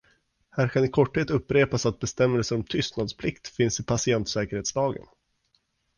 Här kan i korthet upprepas att bestämmelser om tystnadsplikt finns i patientsäkerhetslagen.